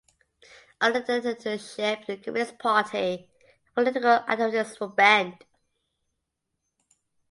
Under the dictatorship the Communist Party and political activism were banned.